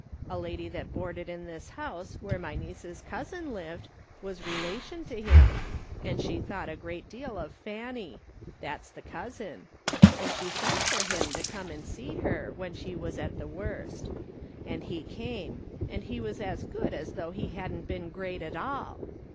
A lady that boarded in this house where my niece's cousin lived, was relation to him, and she thought a great deal of F'anuy — that's the cousin — and she sent for him to come and see her when she was at the worst ; and he come, and he was as good as though he hadn't been great at all.